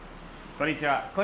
こんにちは。